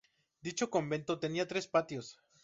Dicho convento tenía tres patios.